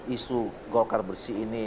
isu golkar bersih ini